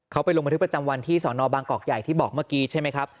เขาไปลงบันทึกประจำวันที่สอนอบางกอกใหญ่ที่บอกเมื่อกี้ใช่ไหมครับ